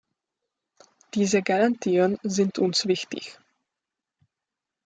Diese Garantien sind uns wichtig.